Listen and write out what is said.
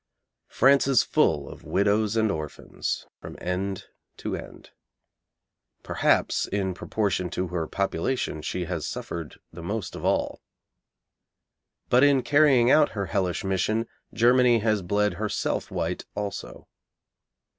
France is full of widows and orphans from end to end. Perhaps in proportion to her population she has suffered the most of all. But in carrying out her hellish mission Germany has bled herself white also.